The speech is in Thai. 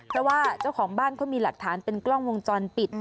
เพราะว่าเจ้าของบ้านเขามีหลักฐานเป็นกล้องวงจรปิด